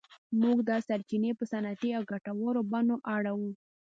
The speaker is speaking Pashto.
موږ دا سرچینې په صنعتي او ګټورو بڼو اړوو.